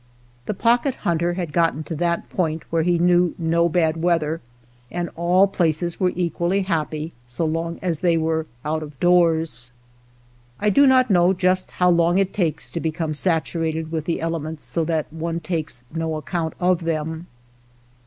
The Pocket Hunter had gotten to that point where he knew no bad weather, and all places were equally happy so long as they [were out of doors, I do not know just how long it takes to become saturated with ithe elements so that one takes no account iof them.